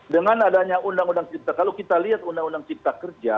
dengan adanya undang undang cipta kalau kita lihat undang undang cipta kerja